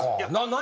何？